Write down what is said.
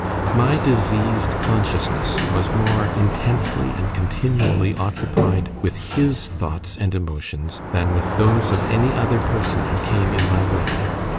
My diseased consciousness was more intensely and continually occupied with his thoughts and emotions, than with those of any other person who came in my way.